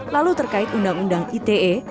lalu terkait undang undang ite